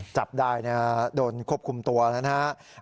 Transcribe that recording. จับได้โดนควบคุมตัวนะครับ